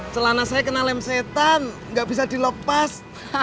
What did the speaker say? celana saya kena lem setan gak bisa dilopas